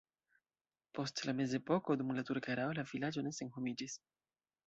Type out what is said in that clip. Post la mezepoko dum la turka erao la vilaĝo ne senhomiĝis.